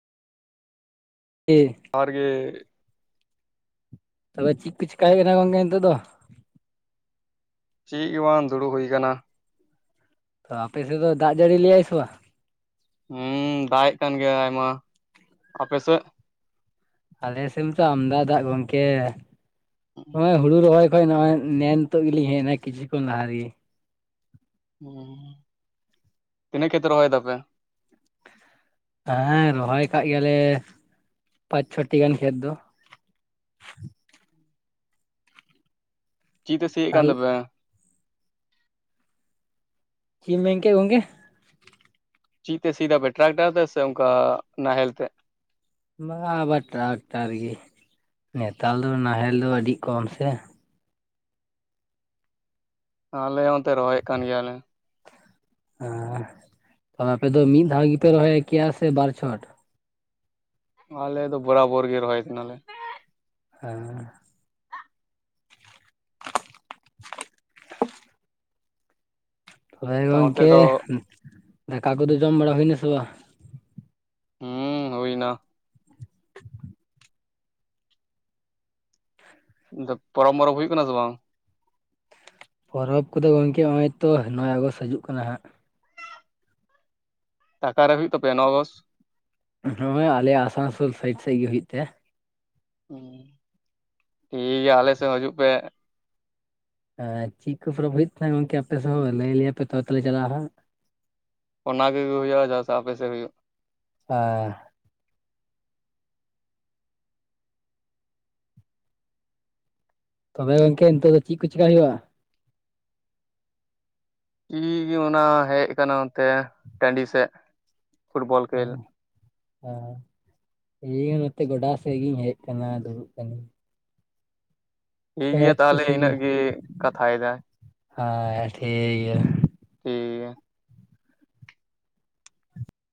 ᱮ ᱦᱚᱲ ᱜᱮ᱾ ᱛᱚᱵᱮ ᱪᱮᱫ ᱠᱚ ᱪᱤᱠᱟ ᱦᱩᱭᱩᱜ ᱠᱟᱱᱟ ᱜᱚᱝᱠᱮ ᱱᱤᱛᱚᱜ ᱫᱚ? ᱪᱮᱫ ᱦᱚᱸ ᱵᱟᱝ ᱫᱩᱲᱩᱵ ᱦᱩᱭ ᱟᱠᱟᱱᱟ ᱾ ᱛᱚ ᱟᱯᱮ ᱥᱮᱫ ᱫᱚ ᱫᱟᱜ ᱡᱟᱹᱲᱤ ᱞᱮᱭᱟᱭ ᱥᱮ ᱵᱟᱝ? ᱦᱩᱸ ᱫᱟᱜ ᱮ ᱠᱟᱱ ᱜᱮᱭᱟ ᱟᱭᱢᱟ᱾ ᱟᱯᱮ ᱥᱮᱫ? ᱟᱞᱮ ᱥᱮᱱ ᱛᱚ ᱟᱢᱫᱟ ᱫᱟᱜ ᱜᱚᱝᱠᱮ᱾ ᱱᱚᱜᱼᱚᱭ ᱦᱩᱲᱩ ᱨᱚᱦᱚᱭ ᱦᱚᱭ ᱱᱚᱜᱼᱚᱭ ᱱᱮᱱᱛᱚᱜ ᱜᱮᱞᱤᱧ ᱦᱮᱡ ᱮᱱᱟ ᱠᱤᱪᱷᱩ ᱠᱷᱚᱱ ᱞᱟᱦᱟ ᱨᱮ ᱜᱮ ᱾ ᱦᱩᱸ ᱛᱤᱱᱟᱹᱜ ᱠᱷᱮᱛ ᱨᱮ ᱨᱚᱦᱚᱭ ᱫᱟᱯᱮ? ᱦᱮᱸ ᱨᱚᱦᱚᱭ ᱟᱠᱟᱜ ᱜᱮᱭᱟ ᱞᱮ ᱯᱟᱸᱪ ᱪᱷᱚᱴᱤ ᱜᱟᱱ ᱠᱷᱮᱛ ᱫᱚ ᱾ ᱪᱮᱫ ᱛᱮ ᱥᱤᱭᱮᱫ ᱠᱟᱱ ᱛᱟᱦᱚᱞ ᱛᱟᱯᱮ? [unintelligible] ᱪᱮ ᱢᱮᱱᱠᱮᱜᱼᱟ ᱜᱚᱝᱠᱮ ᱪᱮᱛᱮ ᱥᱤ ᱫᱷᱟ ᱯᱮ ᱴᱨᱟᱠᱴᱟᱨ ᱥᱮ ᱚᱱᱠᱟ ᱱᱟᱦᱮᱞᱛᱮ ᱚᱱᱟ ᱟᱵᱟᱨ ᱴᱨᱟᱠᱴᱟᱨ ᱜᱮ ᱱᱮᱛᱟᱨ ᱫᱚ ᱱᱟᱦᱮᱞ ᱫᱚ ᱟᱰᱤ ᱠᱚᱢ ᱥᱮ ᱾ ᱟᱞᱮ ᱦᱚᱸ ᱚᱱᱛᱮ ᱨᱚᱦᱚᱭᱮᱫ ᱠᱟᱱ ᱜᱮᱭᱟᱞᱮ ᱾ ᱦᱮᱸ ᱛᱚᱵᱮ ᱟᱯᱮ ᱫᱚ ᱢᱤᱫ ᱫᱷᱟᱣ ᱜᱮᱯᱮ ᱨᱚᱦᱚᱭ ᱠᱮᱭᱟ ᱥᱮ ᱵᱟᱨ ᱪᱷᱚᱴ? ᱟᱞᱮ ᱫᱚ ᱵᱚᱨᱟᱵᱚᱨ ᱜᱮ ᱨᱚᱦᱚᱭᱮᱫ ᱠᱟᱱᱟᱞᱮ ᱾ ᱦᱮᱸ ᱦᱳᱭ ᱛᱚ ᱚᱱᱛᱮ ᱜᱚᱝᱠᱮ᱾ ᱫᱚ ᱫᱟᱠᱟ ᱠᱚᱫᱚ ᱡᱚᱢ ᱵᱟᱲᱟ ᱦᱩᱭᱱᱟ ᱥᱮ ᱵᱟᱝ? ᱦᱩᱸ ᱦᱩᱭᱱᱟ ᱾ ᱯᱚᱨᱚᱵ ᱢᱚᱨᱚᱵ ᱦᱩᱭᱩᱜ ᱠᱟᱱᱟ ᱥᱮ ᱵᱟᱝ? ᱯᱚᱨᱚᱵᱽ ᱠᱚᱫᱚ ᱜᱚᱢᱠᱮ ᱱᱚᱜᱼᱚᱭ ᱛᱚ ᱱᱚᱜᱼᱚᱭ ᱟᱜᱚᱥᱴ ᱦᱤᱡᱩᱜ ᱠᱟᱱᱟ ᱦᱟᱸᱜ ᱾ ᱟᱠᱟᱨᱮ ᱦᱩᱭᱩᱜ ᱛᱟᱯᱮᱭᱟ ᱱᱚᱣᱟ ᱟᱜᱚᱥᱴ ᱱᱚᱜᱼᱚᱭ ᱟᱞᱮ ᱟᱥᱟᱱᱥᱳᱞ ᱥᱟᱭᱤᱰ ᱥᱮᱫ ᱜᱮ ᱦᱩᱭᱩᱜ ᱛᱮ ᱾ ᱦᱩᱸ ᱴᱷᱤᱠ ᱜᱮᱭᱟ ᱟᱞᱮ ᱥᱮᱫ ᱦᱤᱡᱩᱜ ᱯᱮ ᱾ ᱪᱮᱫ ᱠᱚ ᱯᱚᱨᱚᱵᱽ ᱦᱩᱭᱩᱜ ᱛᱟᱦᱮᱸ ᱜᱚᱝᱠᱮ ᱟᱯᱮ ᱥᱮᱫ ᱦᱚᱸ ᱞᱟᱹᱭ ᱞᱮᱭᱟ ᱯᱮ ᱛᱚᱵᱮ ᱛᱮ ᱞᱮ ᱪᱟᱞᱟᱜᱼᱟ ᱦᱟᱸᱜ᱾ ᱚᱱᱟ ᱠᱚ ᱜᱮ ᱦᱩᱭᱩᱜᱼᱟ ᱡᱟᱦᱟᱸ ᱟᱯᱮ ᱥᱮ ᱦᱩᱭᱩᱜᱼᱟ ᱾ ᱟᱨ ᱛᱚᱵᱮ ᱜᱚᱝᱠᱮ ᱱᱤᱛᱚᱜ ᱫᱚ ᱪᱮᱫ ᱠᱚ ᱪᱮᱠᱟᱹ ᱦᱩᱭᱩᱜᱼᱟ? ᱤᱧ ᱜᱮ ᱚᱱᱟ ᱦᱮᱡ ᱟᱠᱟᱱᱟ ᱚᱱᱛᱮ ᱴᱟᱺᱰᱤ ᱥᱮᱫ ᱾ ᱦᱮᱸ [unintelligible] ᱦᱮᱸ ᱤᱧ ᱦᱚᱸ ᱱᱚᱛᱮ ᱜᱚᱰᱟ ᱥᱮᱫ ᱜᱤᱧ ᱦᱮᱡ ᱟᱠᱟᱱᱟ ᱫᱩᱲᱩᱵ ᱠᱟᱱᱟᱧ ᱾ ᱴᱷᱤᱠ ᱜᱮᱭᱟ ᱠᱚ ᱛᱟᱦᱚᱞᱮ ᱤᱱᱟᱹᱜ ᱜᱮ ᱠᱟᱛᱷᱟᱭᱮᱫᱟ᱾ ᱦᱟᱸ ᱴᱷᱤᱠ ᱜᱮᱭᱟ ᱾ ᱴᱷᱤᱠ ᱜᱮᱭᱟ